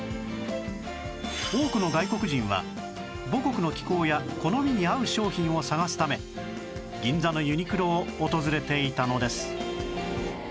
多くの外国人は母国の気候や好みに合う商品を探すため銀座のユニクロを訪れていたのです